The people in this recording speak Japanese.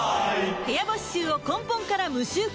部屋干し臭を根本から無臭化